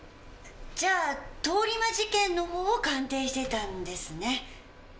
じゃあ通り魔事件の方を鑑定してたんですね？